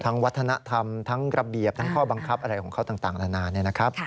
วัฒนธรรมทั้งระเบียบทั้งข้อบังคับอะไรของเขาต่างนานาเนี่ยนะครับ